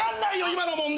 今の問題！